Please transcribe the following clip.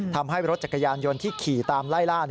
ทำให้รถจักรยานยนต์ที่ขี่ตามไล่ล่า